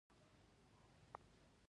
دا پېښې ته لیوفیلیزیشن ویل کیږي.